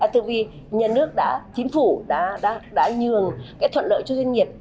từ vì nhà nước đã chính phủ đã nhường cái thuận lợi cho doanh nghiệp